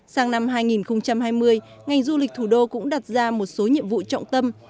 sang năm hai nghìn hai mươi ngành du lịch thủ đô cũng đặt ra một số nhiệm vụ trọng tâm